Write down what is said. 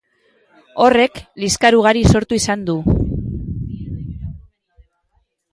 Horrek liskar ugari sortu izan du.